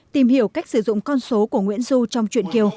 tìm hiểu cách sử dụng con số của nguyễn du trong chuyện kiều